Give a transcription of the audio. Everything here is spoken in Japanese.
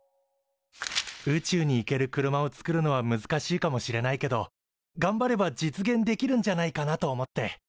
宇宙に行ける車をつくるのは難しいかもしれないけどがんばれば実現できるんじゃないかなと思って。